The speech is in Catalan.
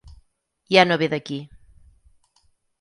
Ja no ve d'aquí.